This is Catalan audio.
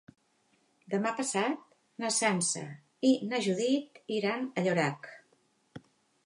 Demà passat na Sança i na Judit iran a Llorac.